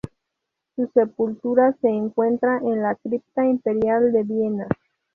Su sepultura se encuentra en la Cripta Imperial de Viena.